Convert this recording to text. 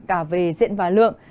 cả về diện và lượng